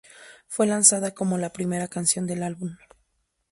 Fue lanzada como la primera canción del álbum.